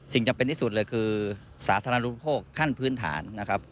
สิ่งจำเป็นนิสุทธิ์คือสาธารณรุทธโภคขั้นพื้นฐาน